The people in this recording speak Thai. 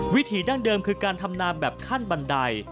ถีดั้งเดิมคือการทำนาแบบขั้นบันได